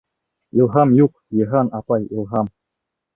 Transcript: Илһам юҡ, Йыһан апай, илһам!